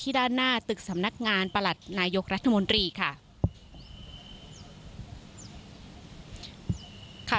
ด้านหน้าตึกสำนักงานประหลัดนายกรัฐมนตรีค่ะ